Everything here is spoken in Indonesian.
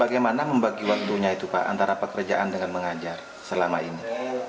bagaimana membagi waktunya itu pak antara pekerjaan dengan mengajar selama ini